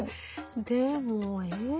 でもえっ？